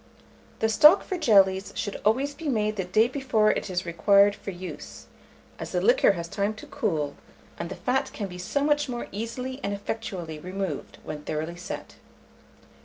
The stock for jellies should always be made the day before it is required for use, as the liquor has time to cool, and the fat can be so much more easily and effectually removed when thoroughly set.